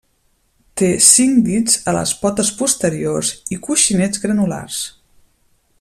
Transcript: Té cinc dits a les potes posteriors i coixinets granulars.